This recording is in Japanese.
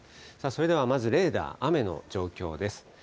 それではまずレーダー、雨の状況です。